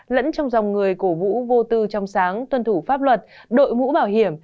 lẫn trong dòng người cổ vũ vô tư trong sáng tuân thủ pháp luật đội mũ bảo hiểm